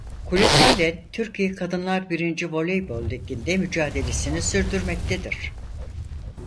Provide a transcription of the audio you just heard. Kulüp halen Türkiye Kadınlar Birinci Voleybol Ligi'nde mücadelesini sürdürmektedir.